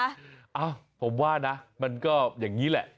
เอ้าผมว่านะมันก็อย่างนี้แหละ